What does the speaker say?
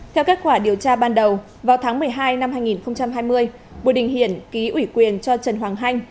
theo kết quả điều tra ban đầu vào tháng một mươi hai năm hai nghìn hai mươi bùi đình hiển ký ủy quyền cho trần hoàng hanh